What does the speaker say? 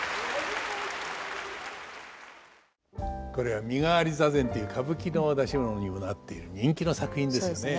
これは「身替座禅」っていう歌舞伎の出し物にもなっている人気の作品ですよね。